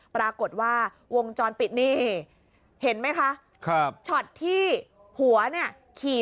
ปรากฏว่าวงจรปิดนี่เห็นไหมคะครับช็อตที่ผัวเนี่ยขี่